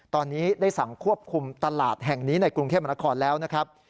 ตอนนี้ได้สั่งควบคุมตลาดแห่งนี้ในกรุงเทพมนครแล้วนะครับ